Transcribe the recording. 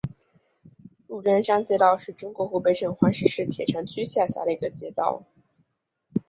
鹿獐山街道是中国湖北省黄石市铁山区下辖的一个街道。